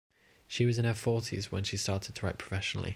She was in her forties when she started to write professionally.